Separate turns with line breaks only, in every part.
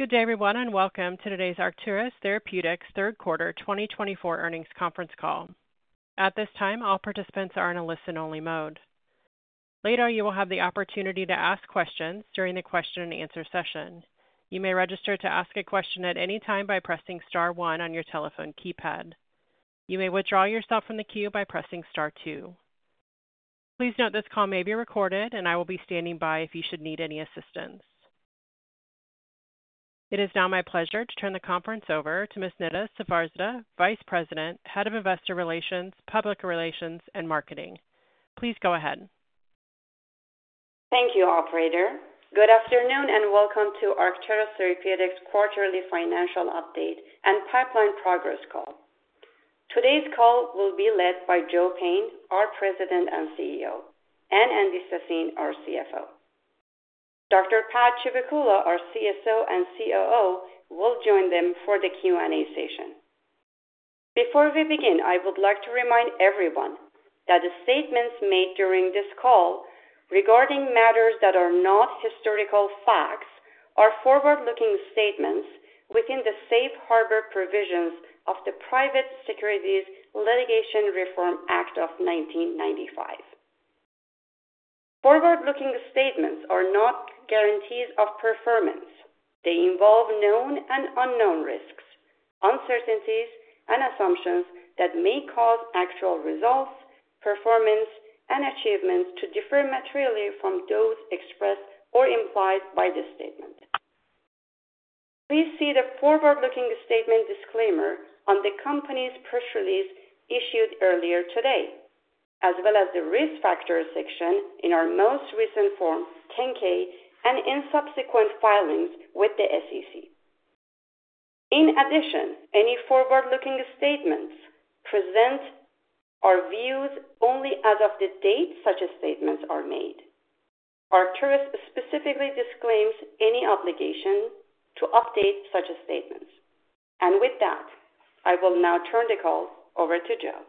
Good day, everyone, and welcome to today's Arcturus Therapeutics third quarter 2024 earnings conference call. At this time, all participants are in a listen-only mode. Later, you will have the opportunity to ask questions during the question-and-answer session. You may register to ask a question at any time by pressing star one on your telephone keypad. You may withdraw yourself from the queue by pressing star two. Please note this call may be recorded, and I will be standing by if you should need any assistance. It is now my pleasure to turn the conference over to Ms. Neda Safarzadeh, Vice President, Head of Investor Relations, Public Relations, and Marketing. Please go ahead.
Thank you, Operator. Good afternoon and welcome to Arcturus Therapeutics' quarterly financial update and pipeline progress call. Today's call will be led by Joe Payne, our President and CEO, and Andy Sassine, our CFO. Dr. Pad Chivukula, our CSO and COO, will join them for the Q&A session. Before we begin, I would like to remind everyone that the statements made during this call regarding matters that are not historical facts are forward-looking statements within the safe harbor provisions of the Private Securities Litigation Reform Act of 1995. Forward-looking statements are not guarantees of performance. They involve known and unknown risks, uncertainties, and assumptions that may cause actual results, performance, and achievements to differ materially from those expressed or implied by this statement. Please see the forward-looking statement disclaimer on the company's press release issued earlier today, as well as the risk factor section in our most recent Form 10-K, and in subsequent filings with the SEC. In addition, any forward-looking statements present our views only as of the date such statements are made. Arcturus specifically disclaims any obligation to update such statements. And with that, I will now turn the call over to Joe.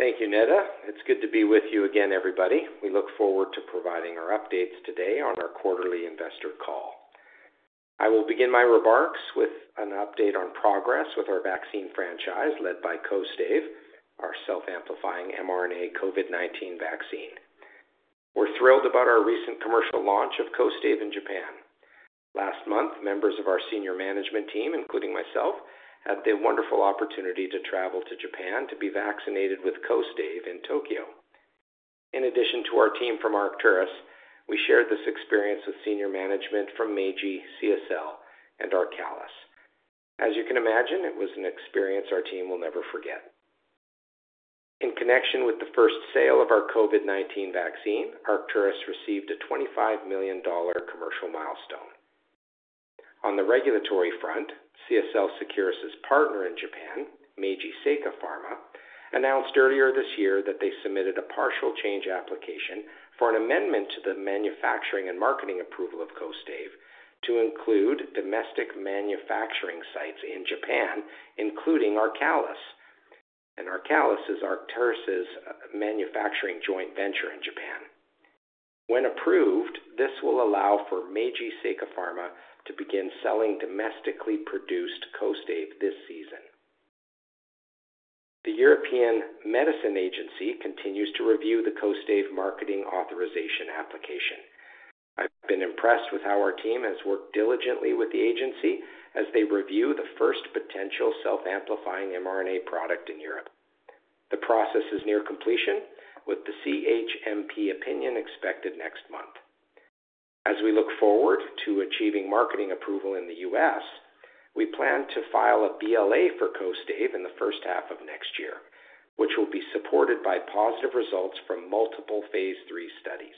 Thank you, Neda. It's good to be with you again, everybody. We look forward to providing our updates today on our quarterly investor call. I will begin my remarks with an update on progress with our vaccine franchise led by Kostaive, our self-amplifying mRNA COVID-19 vaccine. We're thrilled about our recent commercial launch of Kostaive in Japan. Last month, members of our senior management team, including myself, had the wonderful opportunity to travel to Japan to be vaccinated with Kostaive in Tokyo. In addition to our team from Arcturus, we shared this experience with senior management from Meiji, CSL, and our Arcalis. As you can imagine, it was an experience our team will never forget. In connection with the first sale of our COVID-19 vaccine, Arcturus received a $25 million commercial milestone. On the regulatory front, CSL Seqirus' partner in Japan, Meiji Seika Pharma, announced earlier this year that they submitted a partial change application for an amendment to the manufacturing and marketing approval of Kostaive to include domestic manufacturing sites in Japan, including our Arcalis. Our Arcalis is Arcturus' manufacturing joint venture in Japan. When approved, this will allow for Meiji Seika Pharma to begin selling domestically produced Kostaive this season. The European Medicines Agency continues to review the Kostaive marketing authorization application. I've been impressed with how our team has worked diligently with the agency as they review the first potential self-amplifying mRNA product in Europe. The process is near completion, with the CHMP opinion expected next month. As we look forward to achieving marketing approval in the U.S., we plan to file a BLA for Kostaive in the first half of next year, which will be supported by positive results from multiple phase three studies.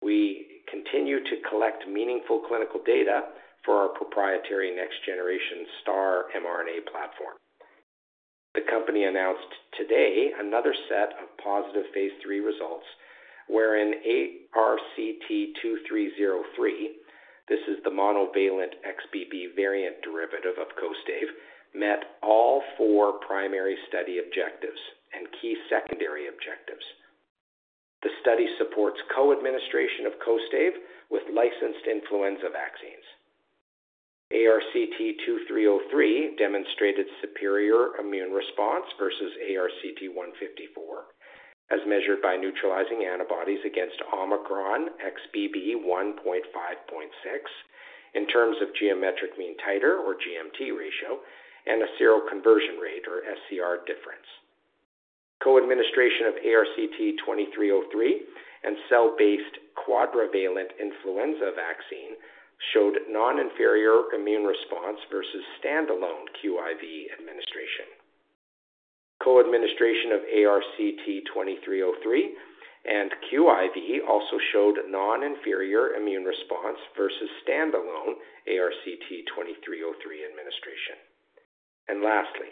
We continue to collect meaningful clinical data for our proprietary next-generation STARR mRNA platform. The company announced today another set of positive phase three results wherein ARCT-2303, this is the monovalent XBB variant derivative of Kostaive, met all four primary study objectives and key secondary objectives. The study supports co-administration of Kostaive with licensed influenza vaccines. ARCT-2303 demonstrated superior immune response versus ARCT-154, as measured by neutralizing antibodies against Omicron XBB.1.5.6 in terms of geometric mean titer or GMT ratio and a seroconversion rate or SCR difference. Co-administration of ARCT-2303 and cell-based quadrivalent influenza vaccine showed non-inferior immune response versus standalone QIV administration. Co-administration of ARCT-2303 and QIV also showed non-inferior immune response versus standalone ARCT-2303 administration. And lastly,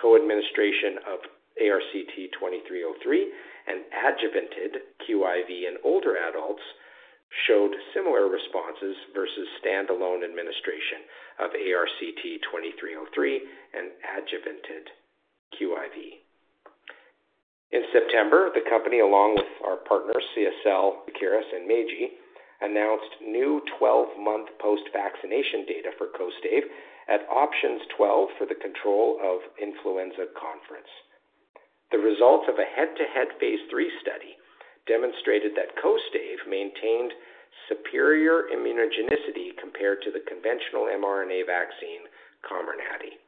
co-administration of ARCT-2303 and adjuvanted QIV in older adults showed similar responses versus standalone administration of ARCT-2303 and adjuvanted QIV. In September, the company, along with our partners, CSL, Seqirus, and Meiji, announced new 12-month post-vaccination data for Kostaive at Options XII for the Control of Influenza conference. The results of a head-to-head phase 3 study demonstrated that Kostaive maintained superior immunogenicity compared to the conventional mRNA vaccine Comirnaty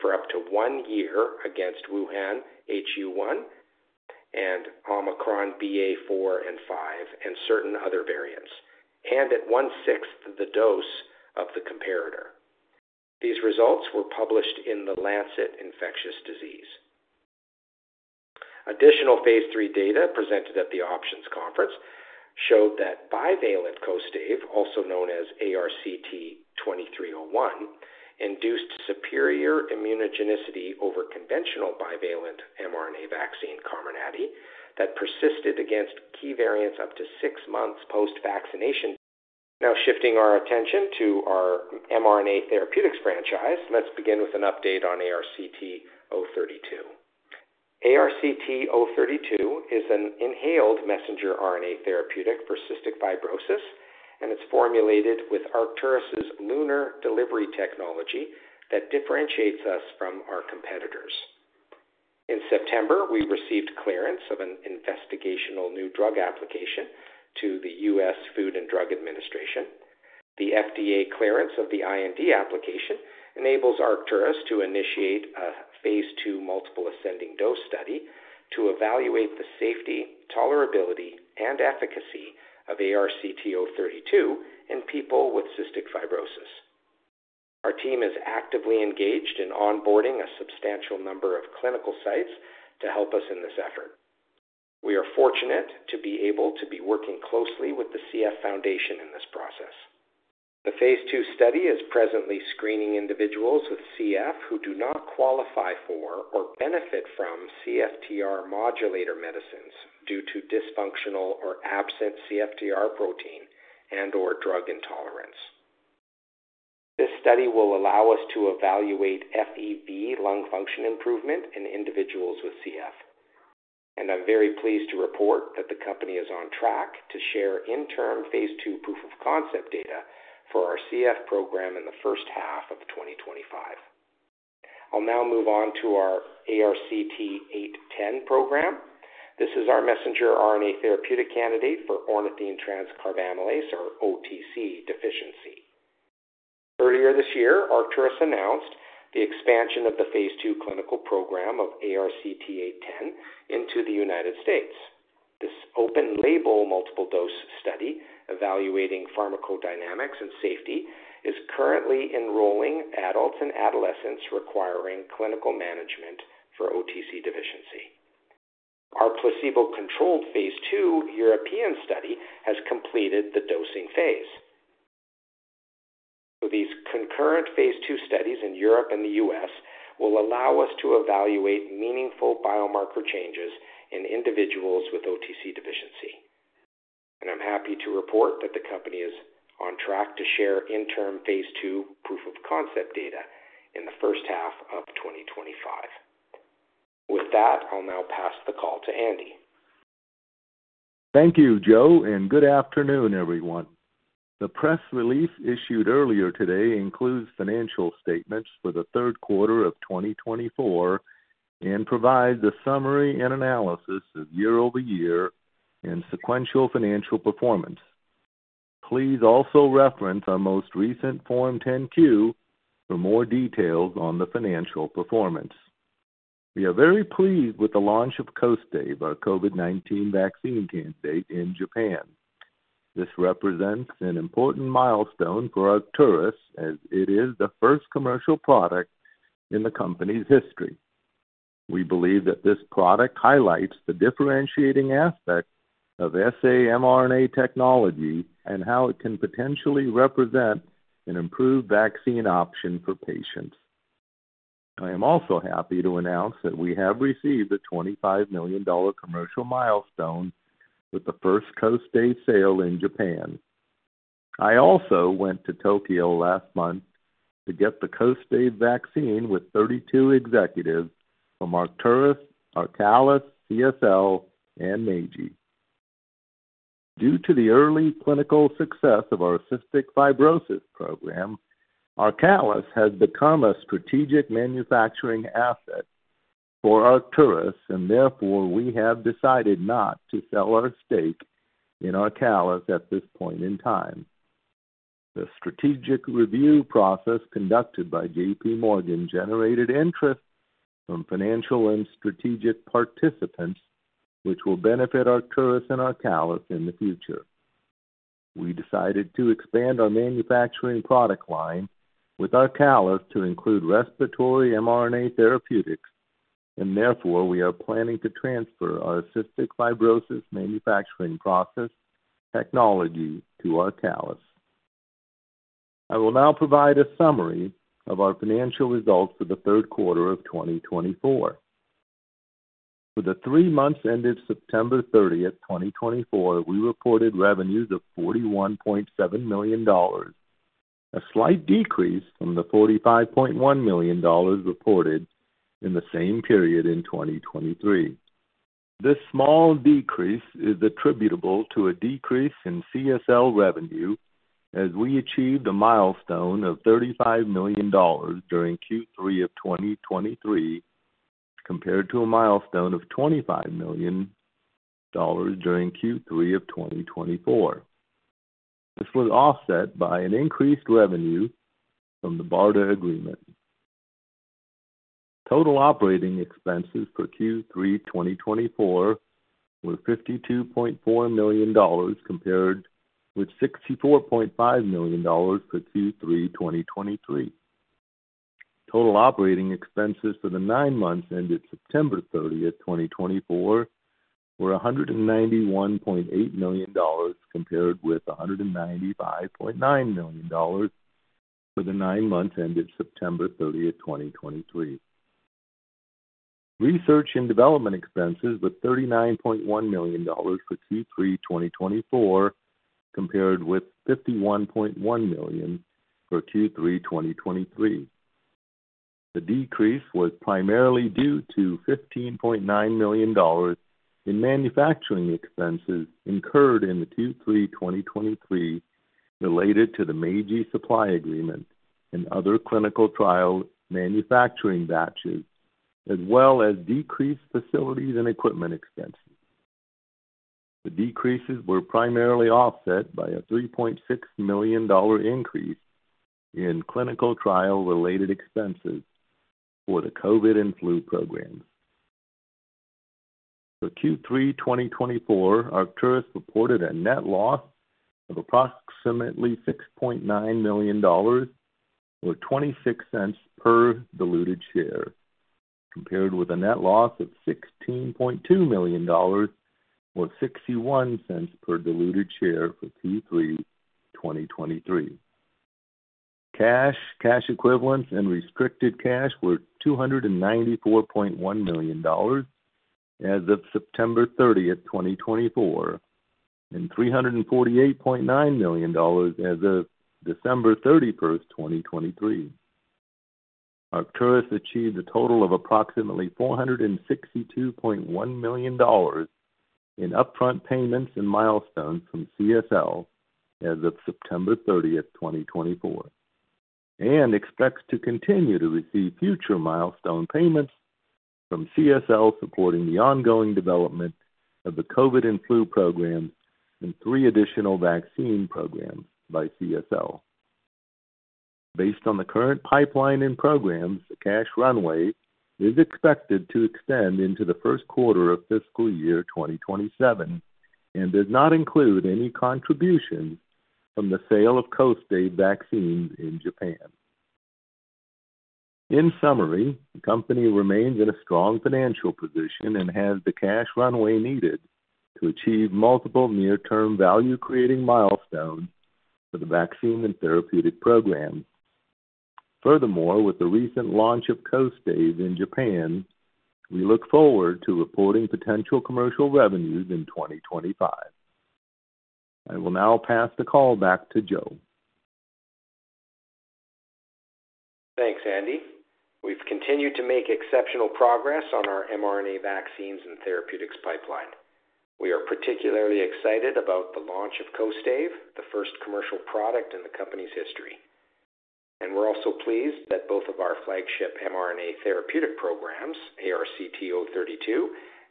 for up to one year against Wuhan-Hu-1 and Omicron BA.4/5 and certain other variants, and at one-sixth the dose of the comparator. These results were published in The Lancet Infectious Diseases. Additional phase 3 data presented at the Options Conference showed that bivalent Kostaive, also known as ARCT-2301, induced superior immunogenicity over conventional bivalent mRNA vaccine Comirnaty that persisted against key variants up to six months post-vaccination. Now shifting our attention to our mRNA Therapeutics franchise, let's begin with an update on ARCT-032. ARCT-032 is an inhaled messenger RNA therapeutic for cystic fibrosis, and it's formulated with Arcturus' LUNAR delivery technology that differentiates us from our competitors. In September, we received clearance of an investigational new drug application to the US Food and Drug Administration. The FDA clearance of the IND application enables Arcturus to initiate a phase 2 multiple ascending dose study to evaluate the safety, tolerability, and efficacy of ARCT-032 in people with cystic fibrosis. Our team is actively engaged in onboarding a substantial number of clinical sites to help us in this effort. We are fortunate to be able to be working closely with the CF Foundation in this process. The phase two study is presently screening individuals with CF who do not qualify for or benefit from CFTR modulator medicines due to dysfunctional or absent CFTR protein and/or drug intolerance. This study will allow us to evaluate FEV1 lung function improvement in individuals with CF, and I'm very pleased to report that the company is on track to share interim phase two proof of concept data for our CF program in the first half of 2025. I'll now move on to our ARCT-810 program. This is our messenger RNA therapeutic candidate for ornithine transcarbamylase, or OTC, deficiency. Earlier this year, Arcturus announced the expansion of the phase two clinical program of ARCT-810 into the United States. This open-label multiple dose study evaluating pharmacodynamics and safety is currently enrolling adults and adolescents requiring clinical management for OTC deficiency. Our placebo-controlled phase 2 European study has completed the dosing phase. So these concurrent phase 2 studies in Europe and the U.S. will allow us to evaluate meaningful biomarker changes in individuals with OTC deficiency. And I'm happy to report that the company is on track to share interim phase 2 proof of concept data in the first half of 2025. With that, I'll now pass the call to Andy.
Thank you, Joe, and good afternoon, everyone. The press release issued earlier today includes financial statements for the third quarter of 2024 and provides a summary and analysis of year-over-year and sequential financial performance. Please also reference our most recent Form 10-Q for more details on the financial performance. We are very pleased with the launch of Kostaive, our COVID-19 vaccine candidate in Japan. This represents an important milestone for Arcturus as it is the first commercial product in the company's history. We believe that this product highlights the differentiating aspect of SA mRNA technology and how it can potentially represent an improved vaccine option for patients. I am also happy to announce that we have received a $25 million commercial milestone with the first Kostaive sale in Japan. I also went to Tokyo last month to get the Kostaive vaccine with 32 executives from Arcturus, Arcalis, CSL, and Meiji. Due to the early clinical success of our cystic fibrosis program, Arcalis has become a strategic manufacturing asset for Arcturus, and therefore we have decided not to sell our stake in Arcalis at this point in time. The strategic review process conducted by J.P. Morgan generated interest from financial and strategic participants, which will benefit Arcturus and Arcalis in the future. We decided to expand our manufacturing product line with Arcalis to include respiratory mRNA therapeutics, and therefore we are planning to transfer our cystic fibrosis manufacturing process technology to Arcalis. I will now provide a summary of our financial results for the third quarter of 2024. For the three months ended September 30, 2024, we reported revenues of $41.7 million, a slight decrease from the $45.1 million reported in the same period in 2023. This small decrease is attributable to a decrease in CSL revenue as we achieved a milestone of $35 million during Q3 of 2023 compared to a milestone of $25 million during Q3 of 2024. This was offset by an increased revenue from the BARDA agreement. Total operating expenses for Q3 2024 were $52.4 million compared with $64.5 million for Q3 2023. Total operating expenses for the nine months ended September 30, 2024, were $191.8 million compared with $195.9 million for the nine months ended September 30, 2023. Research and development expenses were $39.1 million for Q3 2024 compared with $51.1 million for Q3 2023. The decrease was primarily due to $15.9 million in manufacturing expenses incurred in the Q3 2023 related to the Meiji supply agreement and other clinical trial manufacturing batches, as well as decreased facilities and equipment expenses. The decreases were primarily offset by a $3.6 million increase in clinical trial-related expenses for the COVID and flu programs. For Q3 2024, Arcturus reported a net loss of approximately $6.9 million, or $0.26 per diluted share, compared with a net loss of $16.2 million, or $0.61 per diluted share for Q3 2023. Cash, cash equivalents, and restricted cash were $294.1 million as of September 30, 2024, and $348.9 million as of December 31, 2023. Arcturus achieved a total of approximately $462.1 million in upfront payments and milestones from CSL as of September 30, 2024, and expects to continue to receive future milestone payments from CSL supporting the ongoing development of the COVID and flu programs and three additional vaccine programs by CSL. Based on the current pipeline and programs, the cash runway is expected to extend into the first quarter of fiscal year 2027 and does not include any contributions from the sale of Kostaive vaccines in Japan. In summary, the company remains in a strong financial position and has the cash runway needed to achieve multiple near-term value-creating milestones for the vaccine and therapeutic programs. Furthermore, with the recent launch of Kostaive in Japan, we look forward to reporting potential commercial revenues in 2025. I will now pass the call back to Joe.
Thanks, Andy. We've continued to make exceptional progress on our mRNA vaccines and therapeutics pipeline. We are particularly excited about the launch of Kostaive, the first commercial product in the company's history, and we're also pleased that both of our flagship mRNA therapeutic programs, ARCT-032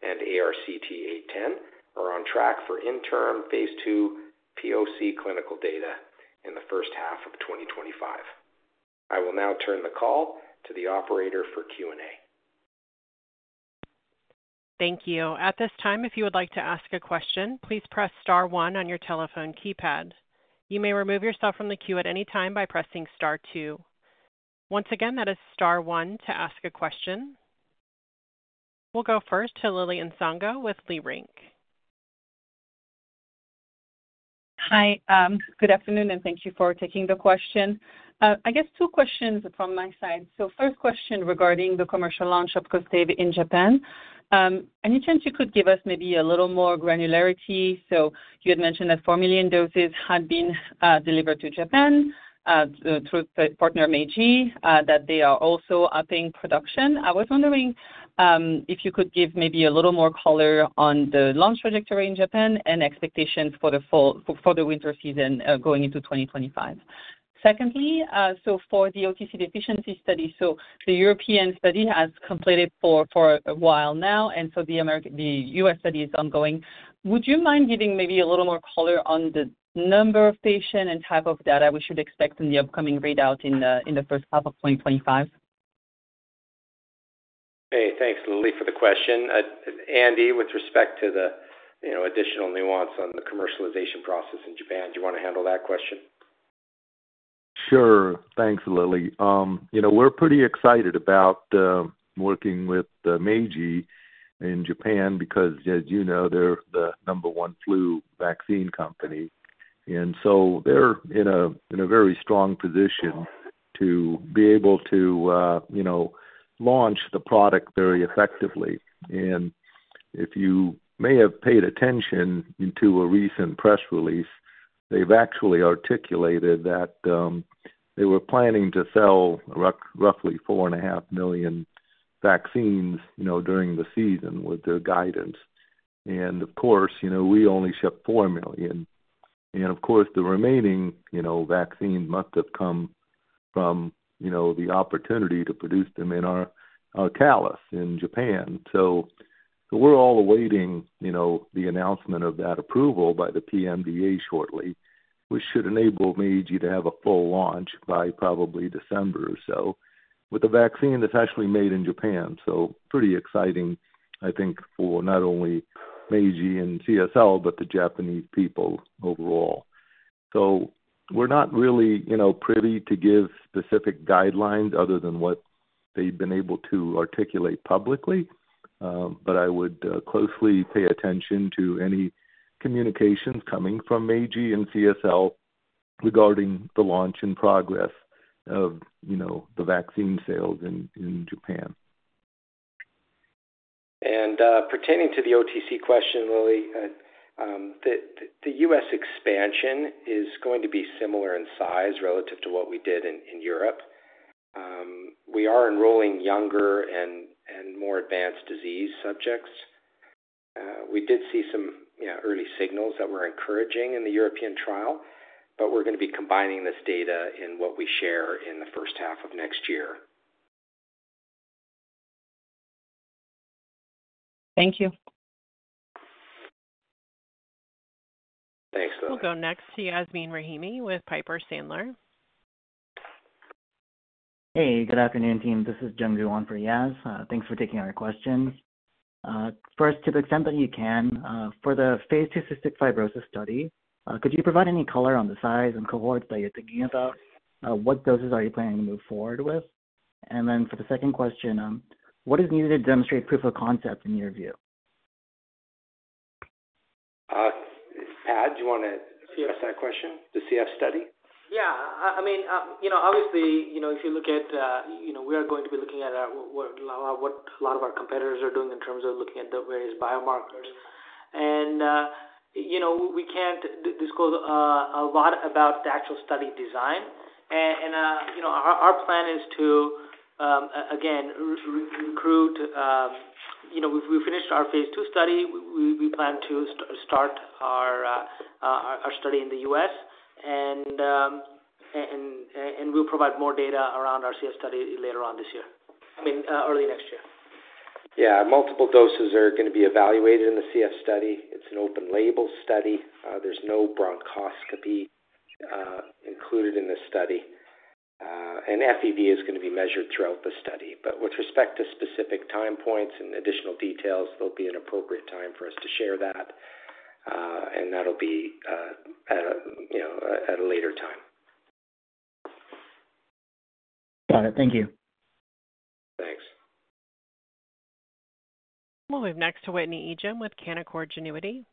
and ARCT-810, are on track for interim phase 2 POC clinical data in the first half of 2025. I will now turn the call to the operator for Q&A.
Thank you. At this time, if you would like to ask a question, please press star one on your telephone keypad. You may remove yourself from the queue at any time by pressing star two. Once again, that is star one to ask a question. We'll go first to Lili Nsongo with Leerink.
Hi, good afternoon, and thank you for taking the question. I guess two questions from my side. So first question regarding the commercial launch of Kostaive in Japan. Any chance you could give us maybe a little more granularity? So you had mentioned that four million doses had been delivered to Japan through partner Meiji, that they are also upping production. I was wondering if you could give maybe a little more color on the launch trajectory in Japan and expectations for the winter season going into 2025. Secondly, so for the OTC deficiency study, so the European study has completed for a while now, and so the U.S. study is ongoing. Would you mind giving maybe a little more color on the number of patients and type of data we should expect in the upcoming readout in the first half of 2025?
Hey, thanks, Lili, for the question. Andy, with respect to the additional nuance on the commercialization process in Japan, do you want to handle that question?
Sure. Thanks, Lili. We're pretty excited about working with Meiji in Japan because, as you know, they're the number one flu vaccine company, and so they're in a very strong position to be able to launch the product very effectively, and if you may have paid attention to a recent press release, they've actually articulated that they were planning to sell roughly 4.5 million vaccines during the season with their guidance, and of course, we only shipped 4 million, and of course, the remaining vaccines must have come from the opportunity to produce them in our Arcalis in Japan, so we're all awaiting the announcement of that approval by the PMDA shortly, which should enable Meiji to have a full launch by probably December or so with a vaccine that's actually made in Japan, so pretty exciting, I think, for not only Meiji and CSL, but the Japanese people overall. So we're not really privy to give specific guidelines other than what they've been able to articulate publicly. But I would closely pay attention to any communications coming from Meiji and CSL regarding the launch and progress of the vaccine sales in Japan.
Pertaining to the OTC question, Lili, the U.S. expansion is going to be similar in size relative to what we did in Europe. We are enrolling younger and more advanced disease subjects. We did see some early signals that were encouraging in the European trial, but we're going to be combining this data in what we share in the first half of next year.
Thank you.
Thanks, Lili.
We'll go next to Yasmeen Rahimi with Piper Sandler.
Hey, good afternoon, team. This is Jeong-Ju Won for Yasmeen. Thanks for taking our questions. First, to the extent that you can, for the phase 2 cystic fibrosis study, could you provide any color on the size and cohorts that you're thinking about? What doses are you planning to move forward with? And then for the second question, what is needed to demonstrate proof of concept in your view?
Pad, do you want to answer that question, the CF study?
Yeah. I mean, obviously, if you look at, we are going to be looking at what a lot of our competitors are doing in terms of looking at the various biomarkers. And we can't disclose a lot about the actual study design. And our plan is to, again, recruit. We finished our phase 2 study. We plan to start our study in the U.S., and we'll provide more data around our CF study later on this year, I mean, early next year. Yeah. Multiple doses are going to be evaluated in the CF study. It's an open-label study. There's no bronchoscopy included in this study. And FEV is going to be measured throughout the study. But with respect to specific time points and additional details, there'll be an appropriate time for us to share that, and that'll be at a later time.
Got it. Thank you.
Thanks.
We'll move next to Whitney Ijem with Canaccord Genuity.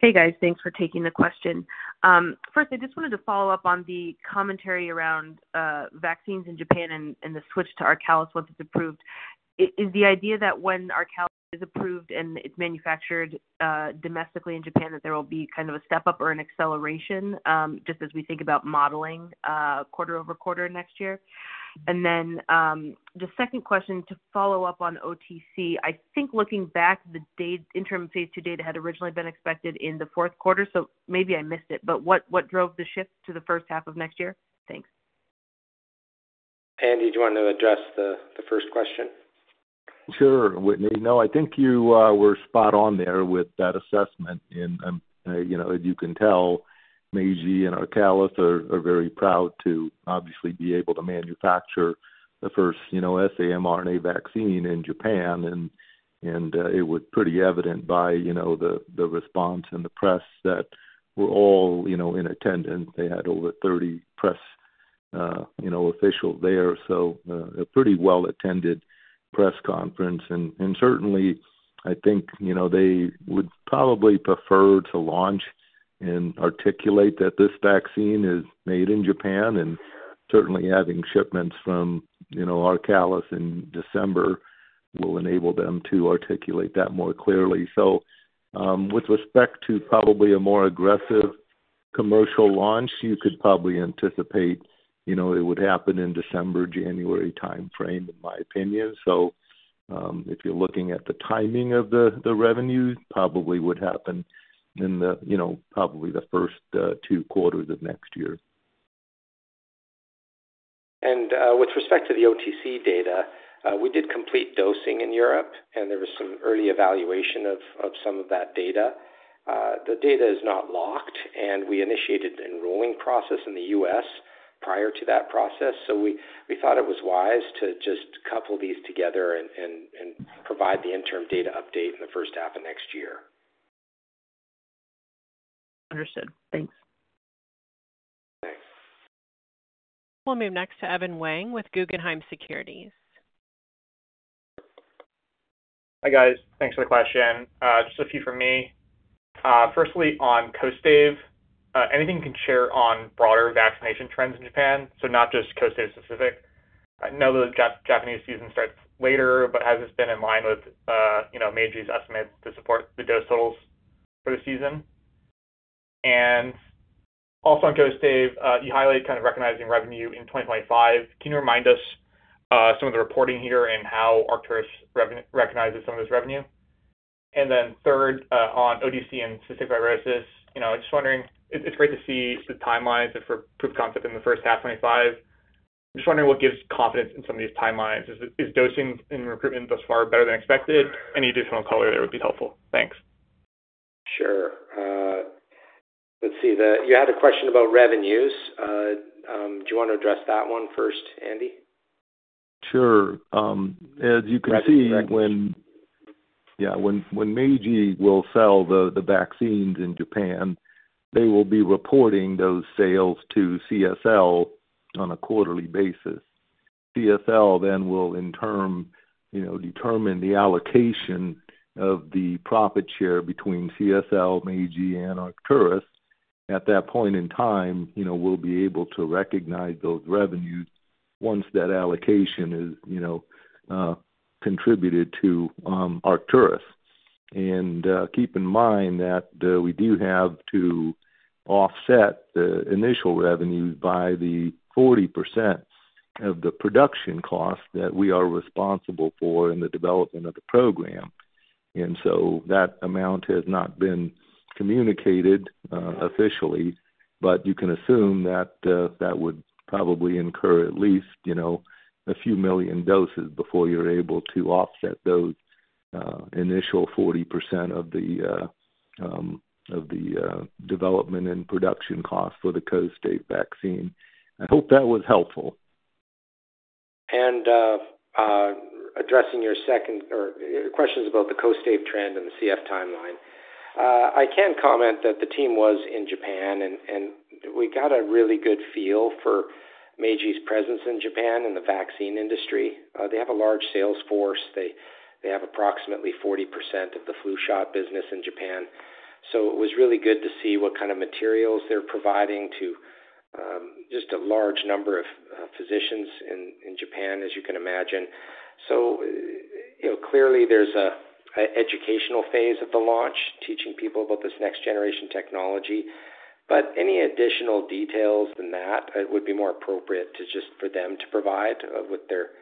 Hey, guys. Thanks for taking the question. First, I just wanted to follow up on the commentary around vaccines in Japan and the switch to Arcalis once it's approved. Is the idea that when Arcalis is approved and it's manufactured domestically in Japan, that there will be kind of a step-up or an acceleration just as we think about modeling quarter over quarter next year? And then the second question to follow up on OTC, I think looking back, the interim phase two data had originally been expected in the fourth quarter. So maybe I missed it, but what drove the shift to the first half of next year? Thanks.
Andy, do you want to address the first question?
Sure, Whitney. No, I think you were spot on there with that assessment. And as you can tell, Meiji and Arcalis are very proud to obviously be able to manufacture the first SAM RNA vaccine in Japan. And it was pretty evident by the response in the press that we were all in attendance. They had over 30 press officials there. So a pretty well-attended press conference. And certainly, I think they would probably prefer to launch and articulate that this vaccine is made in Japan. And certainly, having shipments from Arcalis in December will enable them to articulate that more clearly. So with respect to probably a more aggressive commercial launch, you could probably anticipate it would happen in December, January timeframe, in my opinion. So if you're looking at the timing of the revenue, it probably would happen in probably the first two quarters of next year.
With respect to the OTC data, we did complete dosing in Europe, and there was some early evaluation of some of that data. The data is not locked, and we initiated the enrolling process in the U.S. prior to that process. We thought it was wise to just couple these together and provide the interim data update in the first half of next year.
Understood. Thanks.
Thanks.
We'll move next to Evan Wang with Guggenheim Securities.
Hi, guys. Thanks for the question. Just a few from me. Firstly, on Kostaive, anything you can share on broader vaccination trends in Japan? So not just Kostaive specific. I know the Japanese season starts later, but has this been in line with Meiji's estimates to support the dose totals for the season? And also on Kostaive, you highlight kind of recognizing revenue in 2025. Can you remind us some of the reporting here and how Arcturus recognizes some of this revenue? And then third, on OTC and cystic fibrosis, I'm just wondering, it's great to see the timelines for proof of concept in the first half of 2025. I'm just wondering what gives confidence in some of these timelines. Is dosing and recruitment thus far better than expected? Any additional color there would be helpful. Thanks.
Sure. Let's see. You had a question about revenues. Do you want to address that one first, Andy?
Sure. As you can see, yeah, when Meiji will sell the vaccines in Japan, they will be reporting those sales to CSL on a quarterly basis. CSL then will, in turn, determine the allocation of the profit share between CSL, Meiji, and Arcturus. At that point in time, we'll be able to recognize those revenues once that allocation is contributed to Arcturus. Keep in mind that we do have to offset the initial revenue by the 40% of the production cost that we are responsible for in the development of the program. That amount has not been communicated officially, but you can assume that that would probably incur at least a few million doses before you're able to offset those initial 40% of the development and production costs for the Kostaive vaccine. I hope that was helpful.
Addressing your second question is about the Kostaive trend and the CF timeline. I can comment that the team was in Japan, and we got a really good feel for Meiji's presence in Japan and the vaccine industry. They have a large sales force. They have approximately 40% of the flu shot business in Japan. So it was really good to see what kind of materials they're providing to just a large number of physicians in Japan, as you can imagine. So clearly, there's an educational phase of the launch, teaching people about this next-generation technology. But any additional details than that, it would be more appropriate just for them to provide with their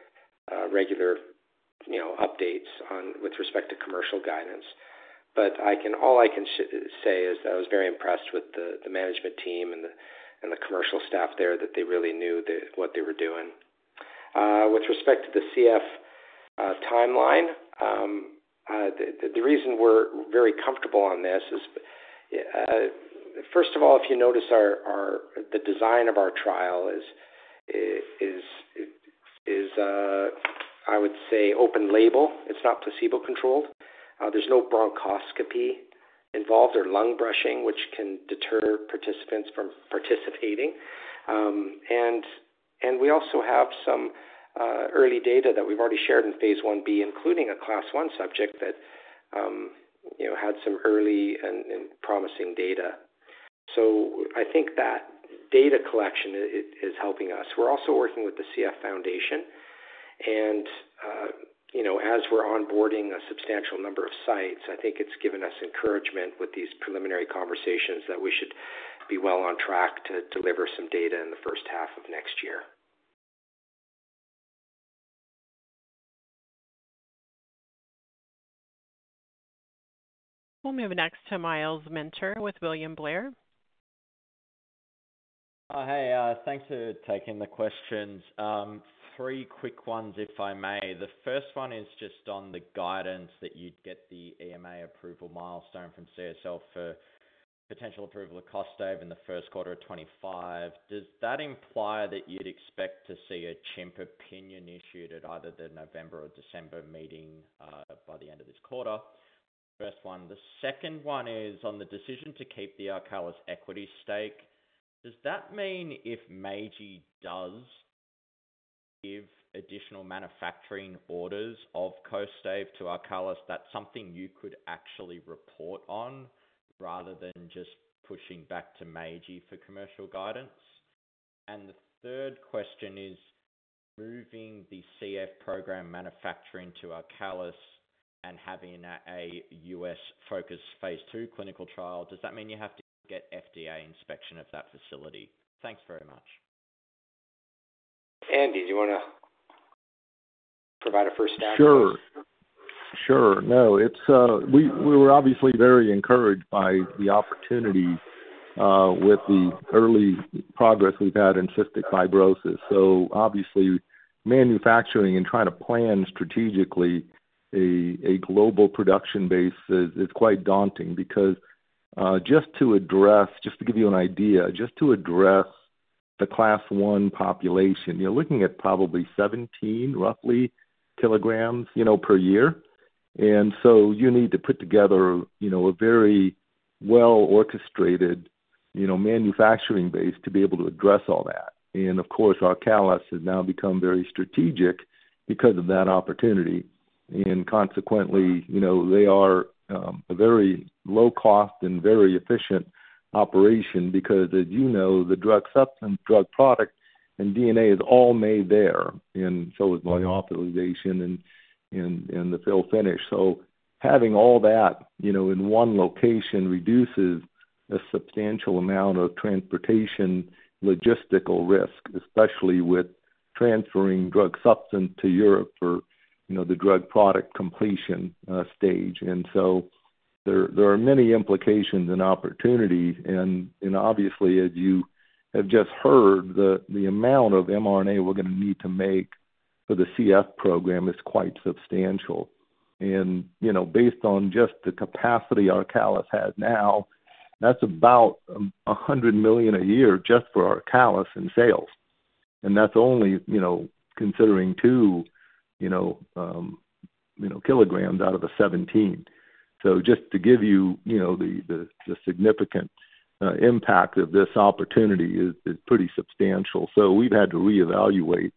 regular updates with respect to commercial guidance. But all I can say is that I was very impressed with the management team and the commercial staff there, that they really knew what they were doing. With respect to the CF timeline, the reason we're very comfortable on this is, first of all, if you notice the design of our trial is, I would say, open-label. It's not placebo-controlled. There's no bronchoscopy involved or lung brushing, which can deter participants from participating, and we also have some early data that we've already shared in phase 1b, including a class one subject that had some early and promising data, so I think that data collection is helping us. We're also working with the CF Foundation, and as we're onboarding a substantial number of sites, I think it's given us encouragement with these preliminary conversations that we should be well on track to deliver some data in the first half of next year.
We'll move next to Myles Minter with William Blair.
Hey, thanks for taking the questions. Three quick ones, if I may. The first one is just on the guidance that you'd get the EMA approval milestone from CSL for potential approval of Kostaive in the first quarter of 2025. Does that imply that you'd expect to see a CHMP opinion issued at either the November or December meeting by the end of this quarter? First one. The second one is on the decision to keep the Arcalis equity stake. Does that mean if Meiji does give additional manufacturing orders of Kostaive to Arcalis, that's something you could actually report on rather than just pushing back to Meiji for commercial guidance? And the third question is moving the CF program manufacturing to Arcalis and having a U.S.-focused phase 2 clinical trial. Does that mean you have to get FDA inspection of that facility? Thanks very much.
Andy, do you want to provide a first take?
Sure. Sure. No, we were obviously very encouraged by the opportunity with the early progress we've had in Cystic Fibrosis, so obviously, manufacturing and trying to plan strategically a global production base is quite daunting because just to address, just to give you an idea, just to address the class one population, you're looking at probably 17 kilograms, roughly, per year. And so you need to put together a very well-orchestrated manufacturing base to be able to address all that. And of course, Arcalis has now become very strategic because of that opportunity. And consequently, they are a very low-cost and very efficient operation because, as you know, the drug substance, drug product, and DNA is all made there. And so is EMA authorization and the fill finish. So having all that in one location reduces a substantial amount of transportation logistical risk, especially with transferring drug substance to Europe for the drug product completion stage. And so there are many implications and opportunities. And obviously, as you have just heard, the amount of mRNA we're going to need to make for the CF program is quite substantial. And based on just the capacity Arcalis has now, that's about 100 million a year just for Arcalis and sales. And that's only considering 2 kilograms out of the 17. So just to give you the significant impact of this opportunity is pretty substantial. So we've had to reevaluate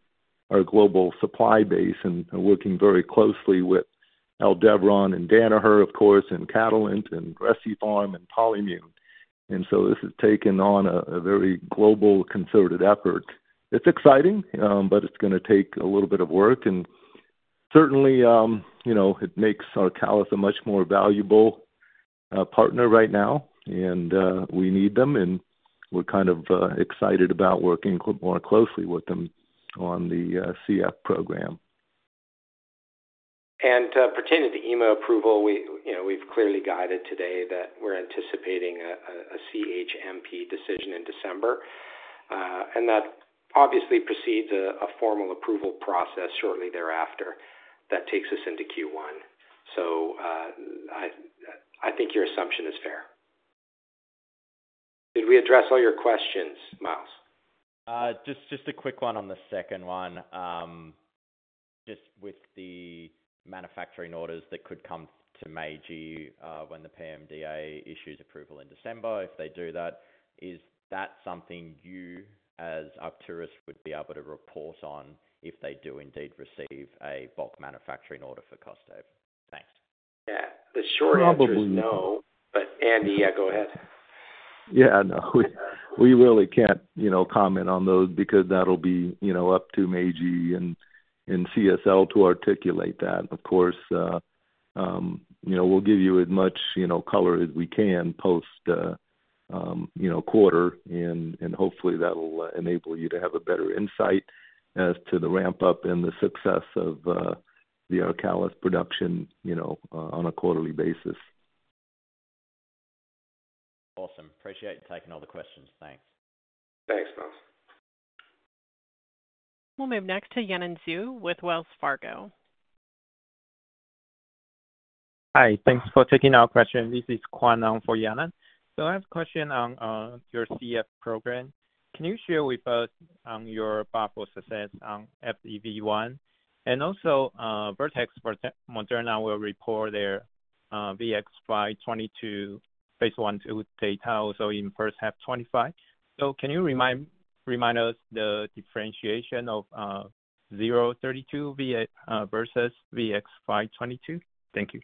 our global supply base and are working very closely with Aldevron and Danaher, of course, and Catalent and Recipharm and Polymun. And so this has taken on a very global concerted effort. It's exciting, but it's going to take a little bit of work. Certainly, it makes Arcalis a much more valuable partner right now. We need them, and we're kind of excited about working more closely with them on the CF program.
Pertaining to EMA approval, we've clearly guided today that we're anticipating a CHMP decision in December. That obviously precedes a formal approval process shortly thereafter that takes us into Q1. I think your assumption is fair. Did we address all your questions, Myles?
Just a quick one on the second one. Just with the manufacturing orders that could come to Meiji when the PMDA issues approval in December, if they do that, is that something you as Arcturus would be able to report on if they do indeed receive a bulk manufacturing order for Kostaive? Thanks.
Yeah. The short answer is no.
Probably.
But Andy, yeah, go ahead.
Yeah. No, we really can't comment on those because that'll be up to Meiji and CSL to articulate that. Of course, we'll give you as much color as we can post quarter. And hopefully, that'll enable you to have a better insight as to the ramp-up and the success of the Arcalis production on a quarterly basis.
Awesome. Appreciate you taking all the questions. Thanks.
Thanks, Miles.
We'll move next to Yanan Zhu with Wells Fargo.
Hi. Thanks for taking our question. This is Kuan Hong for Yanan. So I have a question on your CF program. Can you share with us your better success on FEV1? And also, Vertex and Moderna will report their VX-522 phase 1/2 data also in first half of 2025. So can you remind us the differentiation of 032 versus VX-522? Thank you.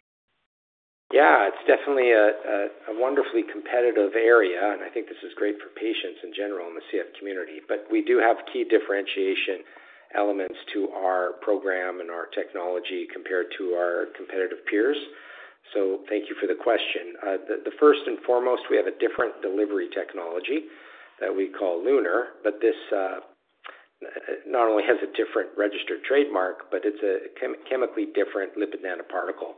Yeah. It's definitely a wonderfully competitive area, and I think this is great for patients in general in the CF community, but we do have key differentiation elements to our program and our technology compared to our competitive peers, so thank you for the question. The first and foremost, we have a different delivery technology that we call LUNAR, but this not only has a different registered trademark, but it's a chemically different lipid nanoparticle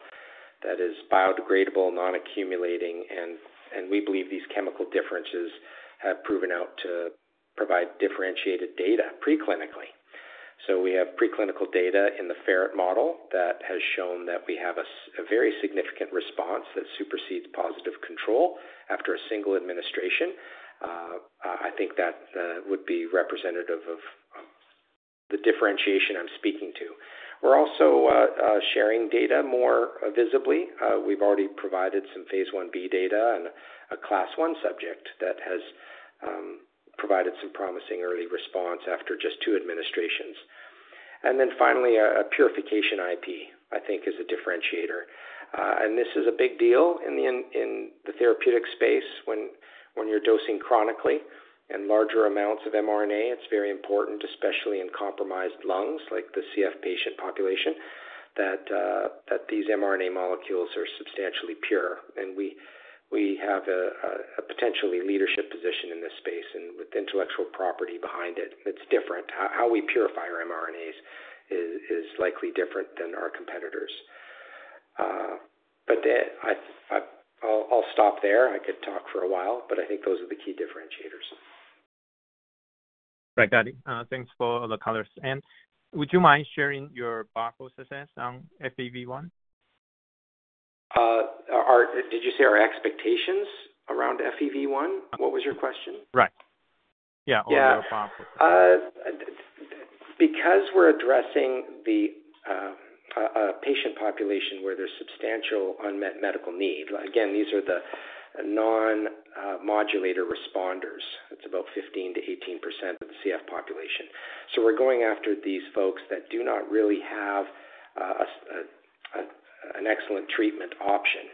that is biodegradable, non-accumulating, and we believe these chemical differences have proven out to provide differentiated data preclinically, so we have preclinical data in the ferret model that has shown that we have a very significant response that supersedes positive control after a single administration. I think that would be representative of the differentiation I'm speaking to. We're also sharing data more visibly. We've already provided some phase 1b data and a class one subject that has provided some promising early response after just two administrations, and then finally, a purification IP, I think, is a differentiator. And this is a big deal in the therapeutic space when you're dosing chronically and larger amounts of mRNA. It's very important, especially in compromised lungs like the CF patient population, that these mRNA molecules are substantially pure, and we have a potentially leadership position in this space and with intellectual property behind it. It's different. How we purify our mRNAs is likely different than our competitors, but I'll stop there. I could talk for a while, but I think those are the key differentiators.
Right. Got it. Thanks for the color, and would you mind sharing your best guess on FEV1?
Did you say our expectations around FEV1? What was your question?
Right. Yeah. Or your buffer.
Because we're addressing the patient population where there's substantial unmet medical need. Again, these are the non-modulator responders. It's about 15%-18% of the CF population. So we're going after these folks that do not really have an excellent treatment option.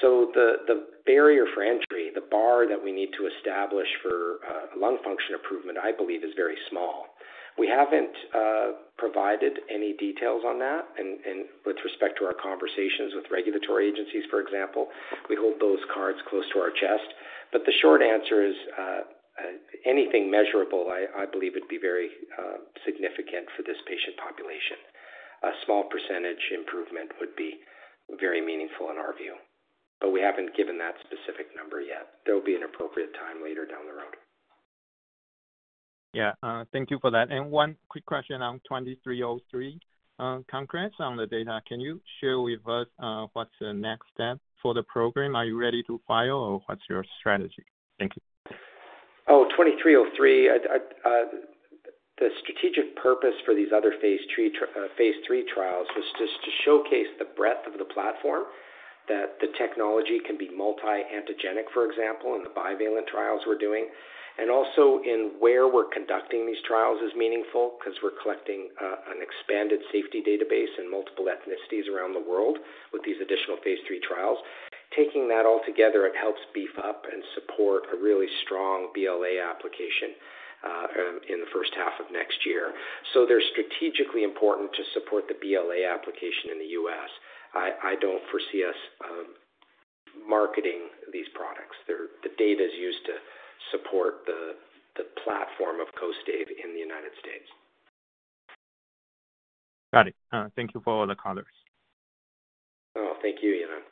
So the barrier for entry, the bar that we need to establish for lung function improvement, I believe, is very small. We haven't provided any details on that with respect to our conversations with regulatory agencies, for example. We hold those cards close to our chest. But the short answer is anything measurable, I believe, would be very significant for this patient population. A small percentage improvement would be very meaningful in our view. But we haven't given that specific number yet. There will be an appropriate time later down the road.
Yeah. Thank you for that. And one quick question on 2303. Congrats on the data. Can you share with us what's the next step for the program? Are you ready to file, or what's your strategy? Thank you.
Oh, 2303. The strategic purpose for these other phase three trials was just to showcase the breadth of the platform, that the technology can be multi-antigenic, for example, in the bivalent trials we're doing, and also, where we're conducting these trials is meaningful because we're collecting an expanded safety database in multiple ethnicities around the world with these additional phase three trials. Taking that all together, it helps beef up and support a really strong BLA application in the first half of next year, so they're strategically important to support the BLA application in the U.S. I don't foresee us marketing these products. The data is used to support the platform of Kostaive in the United States.
Got it. Thank you for the colors.
Oh, thank you, Yanan.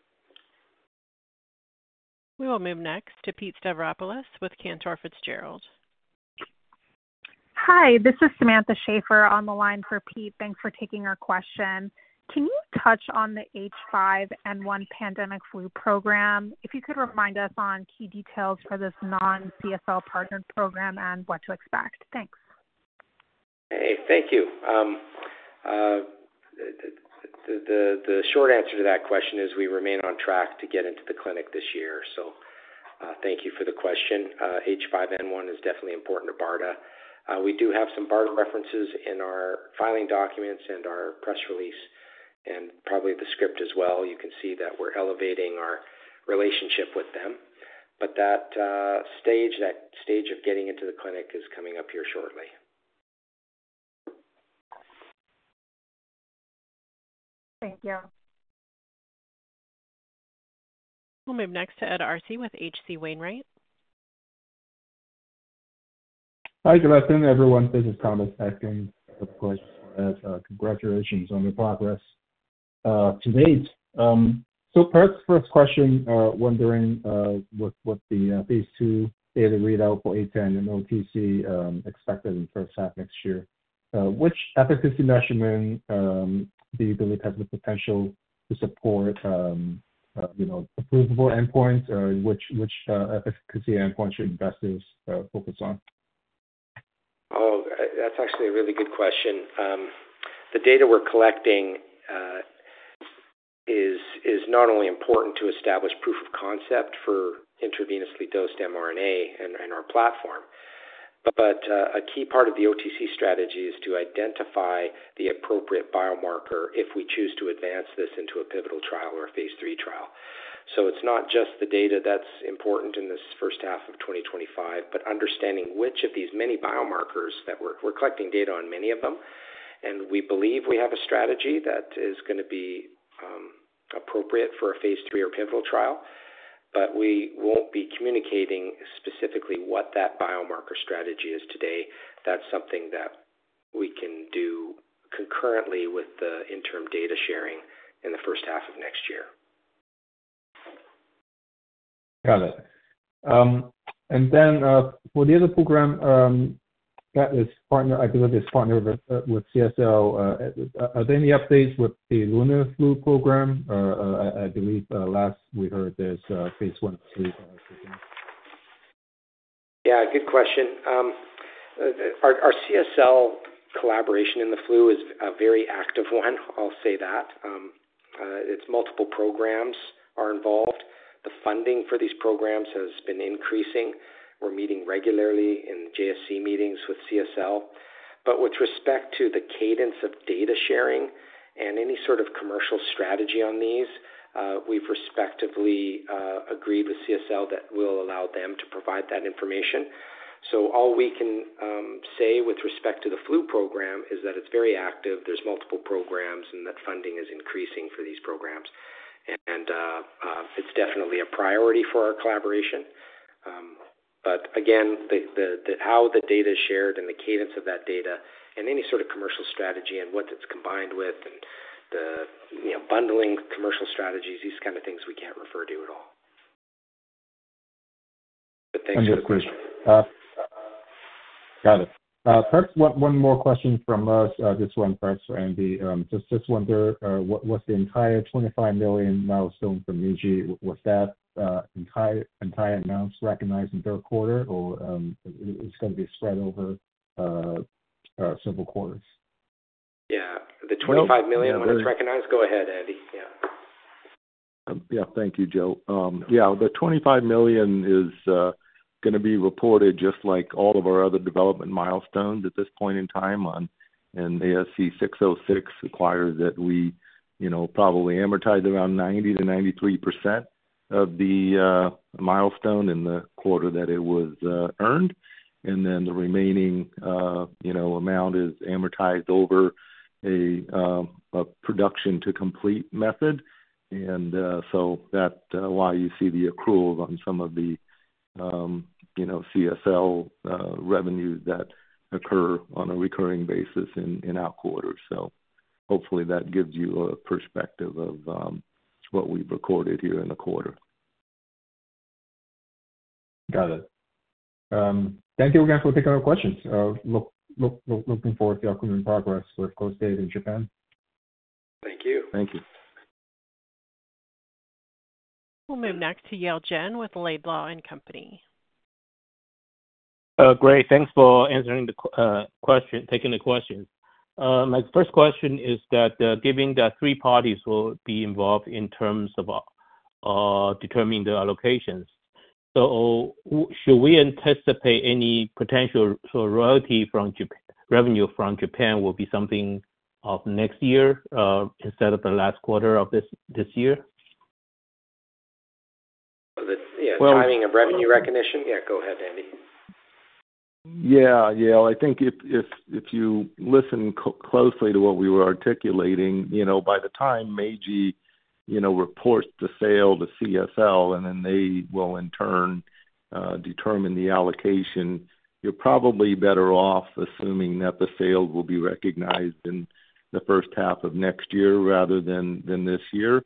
We will move next to Pete Stavropoulos with Cantor Fitzgerald.
Hi. This is Samantha Schaefer on the line for Pete. Thanks for taking our question. Can you touch on the H5N1 pandemic flu program? If you could remind us on key details for this non-CSL partnered program and what to expect? Thanks.
Hey, thank you. The short answer to that question is we remain on track to get into the clinic this year. So thank you for the question. H5N1 is definitely important to BARDA. We do have some BARDA references in our filing documents and our press release and probably the script as well. You can see that we're elevating our relationship with them. But that stage, that stage of getting into the clinic is coming up here shortly.
Thank you.
We'll move next to Ed Arce with H.C. Wainwright.
Hi, good afternoon, everyone. This is Thomas Yip. Of course, my congratulations on your progress to date. So first question, wondering what the phase 2 data readout for ARCT-032 and ARCT-810 expected in the first half next year. Which efficacy measurement do you believe has the potential to support approvable endpoints? Which efficacy endpoints should investors focus on?
Oh, that's actually a really good question. The data we're collecting is not only important to establish proof of concept for intravenously dosed mRNA and our platform, but a key part of the OTC strategy is to identify the appropriate biomarker if we choose to advance this into a pivotal trial or a phase three trial. So it's not just the data that's important in this first half of 2025, but understanding which of these many biomarkers that we're collecting data on, many of them. And we believe we have a strategy that is going to be appropriate for a phase three or pivotal trial. But we won't be communicating specifically what that biomarker strategy is today. That's something that we can do concurrently with the interim data sharing in the first half of next year.
Got it. And then for the other program that is partnered, I believe it's partnered with CSL, are there any updates with the Lunar flu program? I believe last we heard there's phase 1 flu program.
Yeah. Good question. Our CSL collaboration in the flu is a very active one. I'll say that. Multiple programs are involved. The funding for these programs has been increasing. We're meeting regularly in JSC meetings with CSL. But with respect to the cadence of data sharing and any sort of commercial strategy on these, we've respectively agreed with CSL that we'll allow them to provide that information. So all we can say with respect to the flu program is that it's very active. There's multiple programs, and that funding is increasing for these programs. And it's definitely a priority for our collaboration. But again, how the data is shared and the cadence of that data and any sort of commercial strategy and what it's combined with and the bundling commercial strategies, these kind of things we can't refer to at all. But thanks for the question.
Good question. Got it. First, one more question from us. This one first for Andy. Just wonder what's the entire $25 million milestone from Meiji? Was that entire announced recognized in third quarter, or it's going to be spread over several quarters?
Yeah. The $25 million when it's recognized? Go ahead, Andy. Yeah.
Yeah. Thank you, Joe. Yeah. The $25 million is going to be reported just like all of our other development milestones at this point in time. And ASC 606 requires that we probably amortize around 90%-93% of the milestone in the quarter that it was earned. And then the remaining amount is amortized over a production-to-complete method. And so that's why you see the accruals on some of the CSL revenues that occur on a recurring basis in our quarter. So hopefully, that gives you a perspective of what we've recorded here in the quarter. Got it. Thank you again for taking our questions. Looking forward to your upcoming progress with Kostaive in Japan.
Thank you.
Thank you.
We'll move next to Yale Jen with Laidlaw and Company.
Great. Thanks for answering the question, taking the questions. My first question is that given that three parties will be involved in terms of determining the allocations, so should we anticipate any potential royalty revenue from Japan will be something of next year instead of the last quarter of this year?
Yeah. Timing of revenue recognition? Yeah. Go ahead, Andy.
Yeah. Yeah. I think if you listen closely to what we were articulating, by the time Meiji reports the sale to CSL, and then they will in turn determine the allocation, you're probably better off assuming that the sale will be recognized in the first half of next year rather than this year.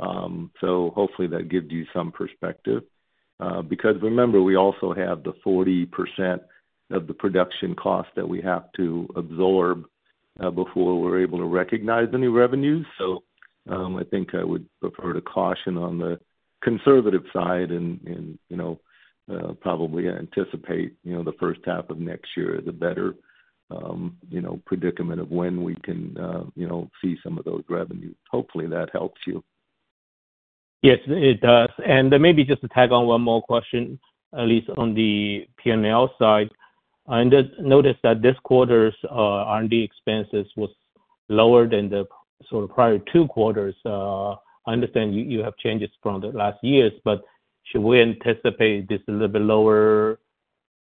So hopefully, that gives you some perspective. Because remember, we also have the 40% of the production cost that we have to absorb before we're able to recognize the new revenues. So I think I would prefer to caution on the conservative side and probably anticipate the first half of next year is a better prediction of when we can see some of those revenues. Hopefully, that helps you.
Yes, it does. And maybe just to tag on one more question, at least on the P&L side. I noticed that this quarter's R&D expenses was lower than the sort of prior two quarters. I understand you have changes from the last years, but should we anticipate this little bit lower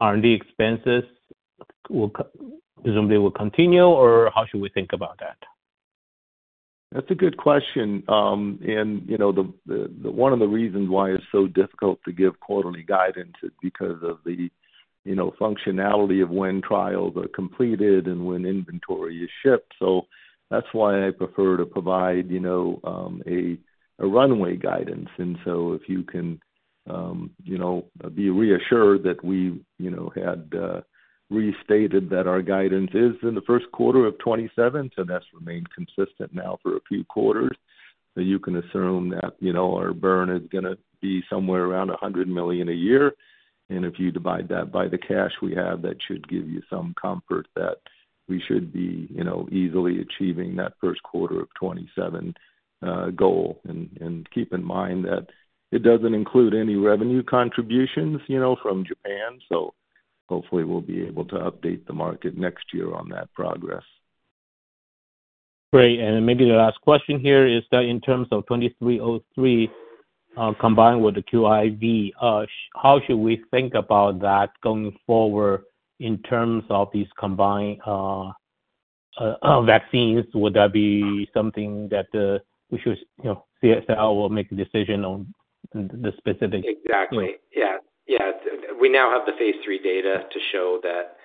R&D expenses will continue or how should we think about that?
That's a good question. And one of the reasons why it's so difficult to give quarterly guidance is because of the functionality of when trials are completed and when inventory is shipped. So that's why I prefer to provide a runway guidance. And so if you can be reassured that we had restated that our guidance is in the first quarter of 2027, so that's remained consistent now for a few quarters. So you can assume that our burn is going to be somewhere around $100 million a year. And if you divide that by the cash we have, that should give you some comfort that we should be easily achieving that first quarter of 2027 goal. And keep in mind that it doesn't include any revenue contributions from Japan. So hopefully, we'll be able to update the market next year on that progress.
Great. And maybe the last question here is that in terms of 2303 combined with the QIV, how should we think about that going forward in terms of these combined vaccines? Would that be something that CSL will make a decision on the specific?
Exactly. Yeah. Yeah. We now have the phase three data to show that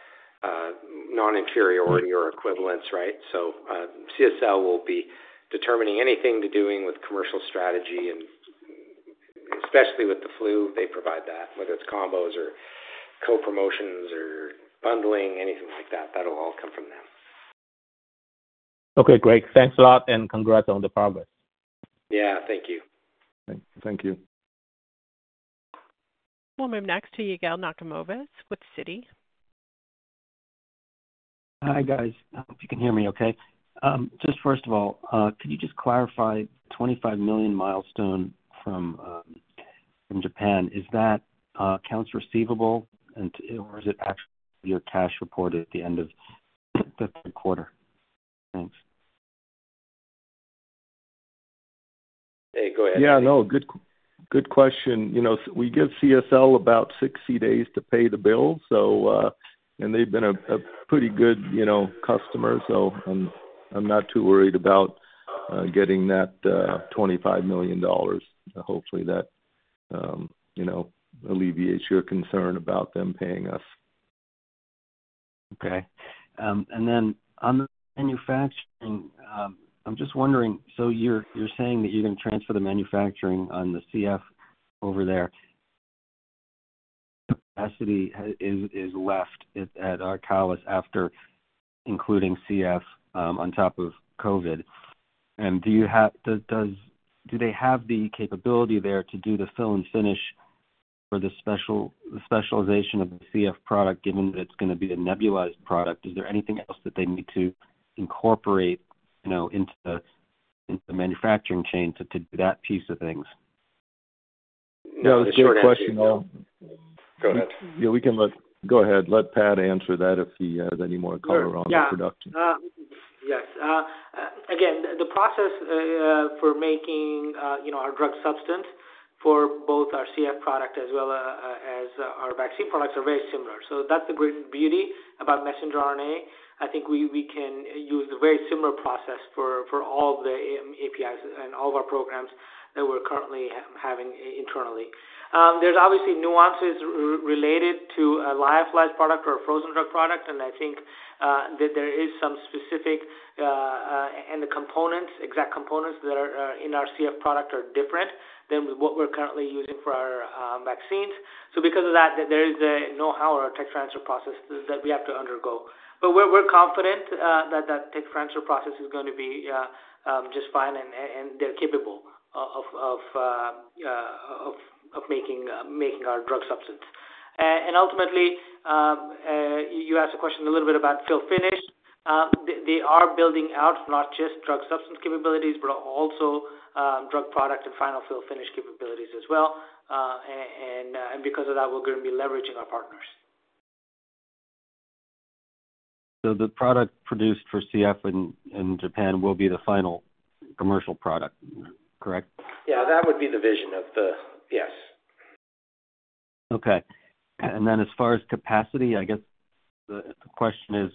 non-inferiority or equivalence, right? So CSL will be determining anything to do with commercial strategy, and especially with the flu. They provide that, whether it's combos or co-promotions or bundling, anything like that. That'll all come from them.
Okay. Great. Thanks a lot, and congrats on the progress.
Yeah. Thank you.
Thank you.
We'll move next to Yigal Nochomovitz with Citi.
Hi, guys. I hope you can hear me okay. Just first of all, could you just clarify the $25 million milestone from Japan? Is that accounts receivable, or is it actually your cash report at the end of the third quarter? Thanks.
Hey, go ahead.
Yeah. No, good question. We give CSL about 60 days to pay the bill, and they've been a pretty good customer. So I'm not too worried about getting that $25 million. Hopefully, that alleviates your concern about them paying us.
Okay. And then, on the manufacturing, I'm just wondering, so you're saying that you're going to transfer the manufacturing on the CF over there. Capacity is left at Arcalis after including CF on top of COVID. And do they have the capability there to do the fill and finish for the specialization of the CF product, given that it's going to be a nebulized product? Is there anything else that they need to incorporate into the manufacturing chain to do that piece of things?
That was a good question.
Go ahead.
Yeah. We can go ahead. Let Pat answer that if he has any more color on production.
Yeah. Yes. Again, the process for making our drug substance for both our CF product as well as our vaccine products are very similar. So that's the great beauty about messenger RNA. I think we can use a very similar process for all the APIs and all of our programs that we're currently having internally. There's obviously nuances related to a lyophilized product or a frozen drug product. And I think that there is some specific and the components, exact components that are in our CF product are different than what we're currently using for our vaccines. So because of that, there is a know-how or a tech transfer process that we have to undergo. But we're confident that that tech transfer process is going to be just fine, and they're capable of making our drug substance. And ultimately, you asked a question a little bit about fill finish. They are building out not just drug substance capabilities, but also drug product and final fill finish capabilities as well. And because of that, we're going to be leveraging our partners.
So the product produced for CF in Japan will be the final commercial product, correct?
Yeah. That would be the vision of the yes.
Okay. And then as far as capacity, I guess the question is,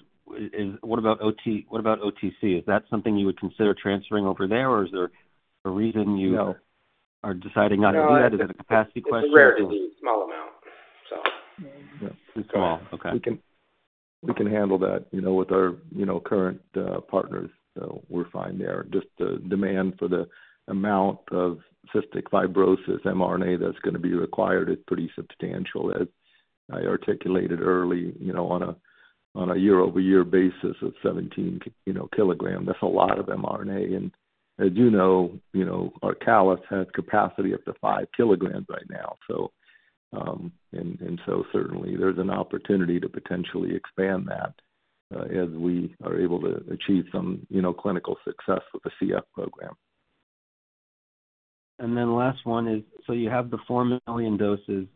what about OTC? Is that something you would consider transferring over there, or is there a reason you are deciding not to do that? Is it a capacity question?
It's a very small amount, so.
Small. Okay.
We can handle that with our current partners. So we're fine there. Just the demand for the amount of Cystic Fibrosis mRNA that's going to be required is pretty substantial, as I articulated earlier, on a year-over-year basis of 17 kilograms. That's a lot of mRNA. And as you know, Arcalis has capacity up to 5 kilograms right now. And so certainly, there's an opportunity to potentially expand that as we are able to achieve some clinical success with the CF program.
And then the last one is, so you have the four million doses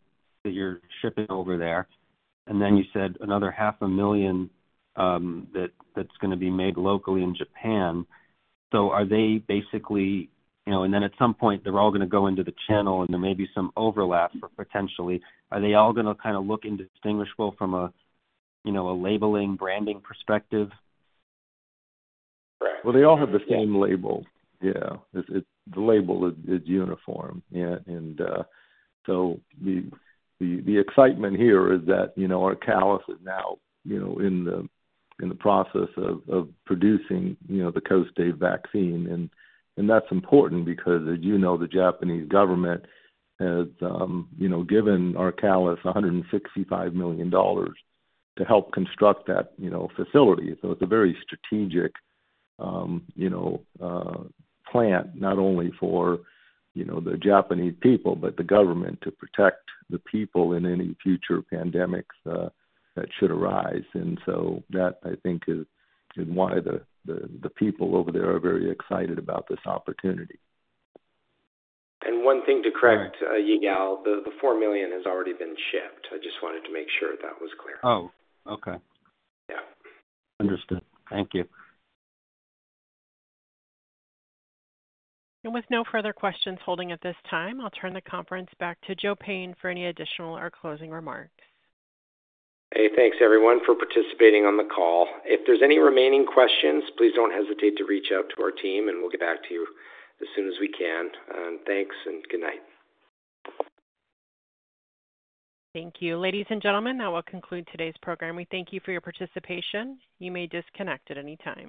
that you're shipping over there, and then you said another 500,000 that's going to be made locally in Japan. So are they basically, and then at some point, they're all going to go into the channel, and there may be some potential overlap. Are they all going to kind of look indistinguishable from a labeling, branding perspective?
Correct.
They all have the same label. Yeah. The label is uniform. The excitement here is that Arcalis is now in the process of producing the Kostaive vaccine. That's important because, as you know, the Japanese government has given Arcalis $165 million to help construct that facility. It's a very strategic plant, not only for the Japanese people, but the government to protect the people in any future pandemics that should arise. That, I think, is why the people over there are very excited about this opportunity.
One thing to correct, Yael: the four million has already been shipped. I just wanted to make sure that was clear.
Oh, okay.
Yeah.
Understood. Thank you.
With no further questions holding at this time, I'll turn the conference back to Joe Payne for any additional or closing remarks.
Hey, thanks everyone for participating on the call. If there's any remaining questions, please don't hesitate to reach out to our team, and we'll get back to you as soon as we can, and thanks, and good night.
Thank you. Ladies and gentlemen, that will conclude today's program. We thank you for your participation. You may disconnect at any time.